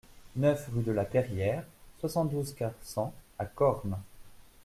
neuf rue de La Perrière, soixante-douze, quatre cents à Cormes